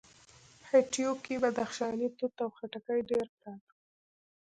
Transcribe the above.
هټيو کې بدخشانی توت او خټکي ډېر پراته وو.